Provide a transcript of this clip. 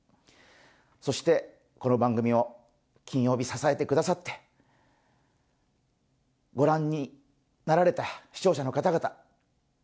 そして、この番組を金曜日、支えてくださって、ご覧になられた視聴者の方々